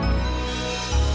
aku pilih siapa